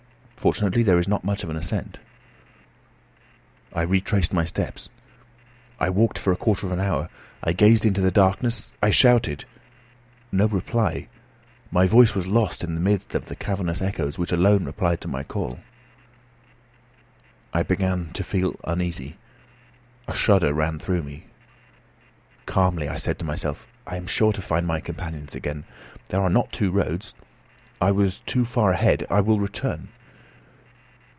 Fortunately there is not much of an ascent. I retraced my steps. I walked for a quarter of an hour. I gazed into the darkness. I shouted. No reply: my voice was lost in the midst of the cavernous echoes which alone replied to my call. I began to feel uneasy. A shudder ran through me. "Calmly!" I said aloud to myself, "I am sure to find my companions again. There are not two roads. I was too far ahead. I will return!"